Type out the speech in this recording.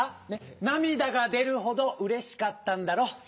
なみだがでるほどうれしかったんだろ？